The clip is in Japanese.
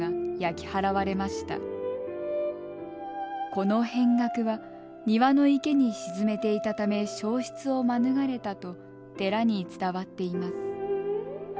この扁額は庭の池に沈めていたため焼失を免れたと寺に伝わっています。